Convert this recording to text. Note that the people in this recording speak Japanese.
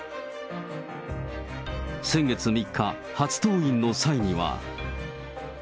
先月３日、初登院の際には。